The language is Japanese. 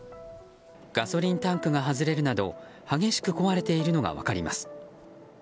ガソリンタンクが外れるなど激しく壊れているのが分かります。